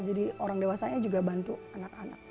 jadi orang dewasanya juga bantu anak anak